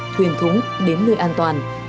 thuyền thúng đến nơi an toàn